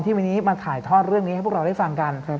วันนี้มาถ่ายทอดเรื่องนี้ให้พวกเราได้ฟังกัน